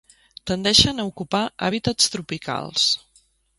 Tendeixen a ocupar hàbitats tropicals.